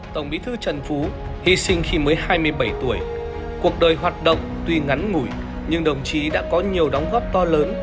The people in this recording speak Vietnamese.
tổng bí thư trần phú hy sinh khi mới hai mươi bảy tuổi cuộc đời hoạt động tuy ngắn ngủi nhưng đồng chí đã có nhiều đóng góp to lớn